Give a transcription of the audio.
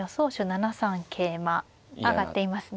７三桂馬挙がっていますね。